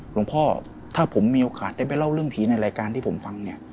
หลวงพ่อถ้าผมมีโอกาสได้ไปเล่าเรื่องผีในรายการที่ผมฟังเนี่ย